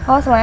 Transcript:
oh semua ya